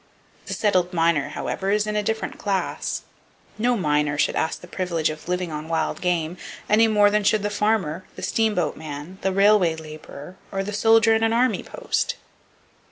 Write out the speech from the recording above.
The settled miner, however, is in a different class. No miner should ask the privilege of living on wild game, any more than should the farmer, the steamboat man, the railway laborer, or the soldier in an army post.